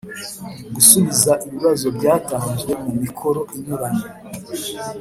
gusubiza ibibazo byatanzwe mu mikoro inyuranye,